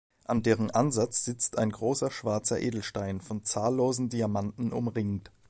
An deren Ansatz sitzt ein großer schwarzer Edelstein, von zahllosen Diamanten umringt.